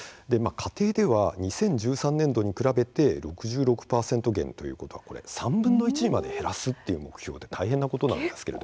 家庭では２０１３年度に比べて６６％減ということは３分の１にまで減らすという目標で大変なことなんです。